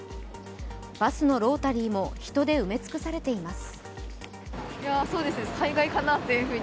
バスのロータリーも人で埋め尽くされています。